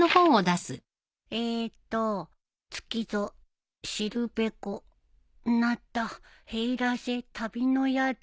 えっと「月ぞしるべこなたへいらせ旅の宿」